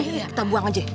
kita buang aja